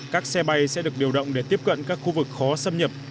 các xe bay sẽ được điều động để tiếp cận các khu vực khó xâm nhập